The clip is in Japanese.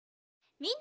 みんな。